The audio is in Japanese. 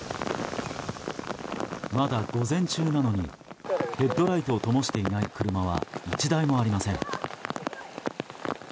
まだ午前中なのにヘッドライトをともしていない車は１台もありません。